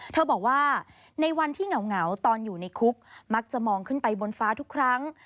บอกว่าในวันที่เหงาตอนอยู่ในคุกมักจะมองขึ้นไปบนฟ้าทุกครั้ง